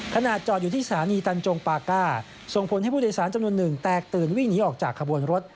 ขณะจอดอยู่ที่สถานีตันจงปาก้าส่งผลให้ผู้โดยสารจำนวนหนึ่งแตกตื่นวิ่งหนีออกจากขบวนรถ